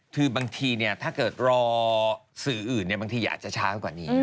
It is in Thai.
คือบางทีเนี่ยถ้าเกิดรอสื่ออื่นเนี่ยบางทีอยากจะช้ากว่านี้